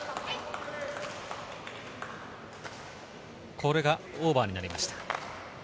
これがオーバーになりました。